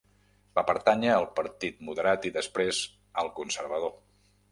Va pertànyer al Partit Moderat i després al Conservador.